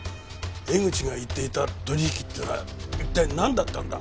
江口が言っていた取引ってのは一体なんだったんだ？